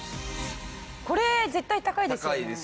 これ絶対高いですよね。